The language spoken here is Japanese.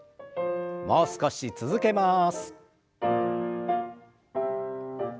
もう少し続けます。